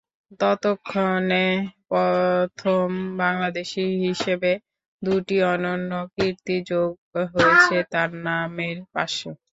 ততক্ষণে প্রথম বাংলাদেশি হিসেবে দুটি অনন্য কীর্তি যোগ হয়েছে তাঁর নামের পাশে।